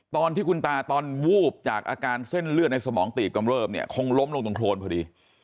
ตอนที่คุณตาตอนวูบจากอาการเส้นเลือดในสมองตีบกำเริบเนี่ยคงล้มลงตรงโครนพอดี